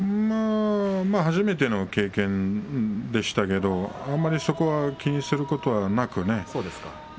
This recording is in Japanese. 初めての経験でしたけれどあんまり、そこは気にすることはなくね。